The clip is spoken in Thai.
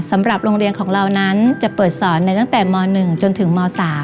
สำหรับโรงเรียนของเรานั้นจะเปิดสอนในตั้งแต่ม๑จนถึงม๓